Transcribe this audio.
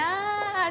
あれ？